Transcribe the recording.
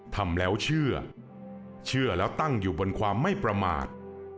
ทำแล้วเชื่อเชื่อแล้วตั้งอยู่บนความไม่ประมาท